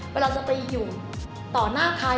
เวลาจะไปอยู่ต่อหน้าใคร